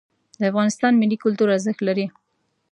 د افغانستان ملي کلتور ارزښت لري.